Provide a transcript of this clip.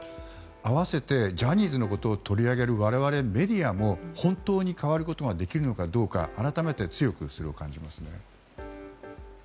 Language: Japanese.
併せてジャニーズのことを取り上げるメディアも本当に変わることができるのかどうか改めて強くそれを感じます。